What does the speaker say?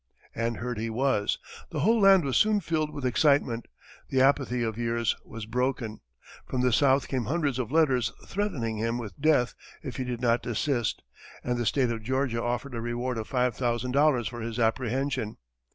And heard he was. The whole land was soon filled with excitement; the apathy of years was broken. From the south came hundreds of letters threatening him with death if he did not desist, and the state of Georgia offered a reward of $5,000 for his apprehension.